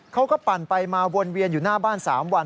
ปั่นไปมาวนเวียนอยู่หน้าบ้าน๓วัน